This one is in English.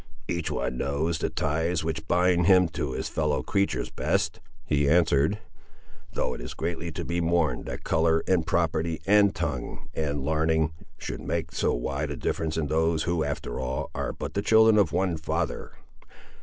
"Each one knows the ties which bind him to his fellow creatures best," he answered. "Though it is greatly to be mourned that colour, and property, and tongue, and l'arning should make so wide a difference in those who, after all, are but the children of one father!